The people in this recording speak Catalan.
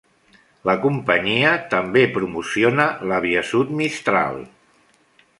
La companyia també promociona l"Aviasud Mistral.